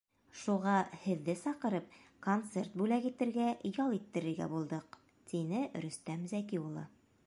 Шуға һеҙҙе саҡырып концерт бүләк итергә, ял иттерергә булдыҡ, — тине Рөстәм Зәки улы.